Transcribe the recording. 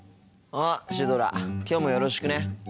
あっシュドラきょうもよろしくね。